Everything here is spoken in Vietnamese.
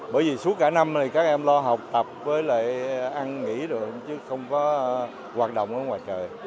bởi vì suốt cả năm này các em lo học tập với lại ăn nghỉ được chứ không có hoạt động ở ngoài trời